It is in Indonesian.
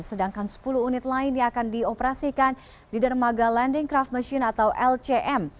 sedangkan sepuluh unit lainnya akan dioperasikan di dermaga landing craft machine atau lcm